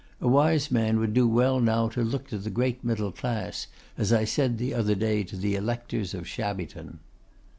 A wise man would do well now to look to the great middle class, as I said the other day to the electors of Shabbyton.